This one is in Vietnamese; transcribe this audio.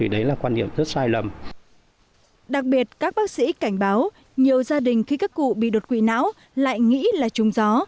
đặc biệt các bác sĩ cảnh báo nhiều gia đình khi các cụ bị đột quỵ não lại nghĩ là trung gió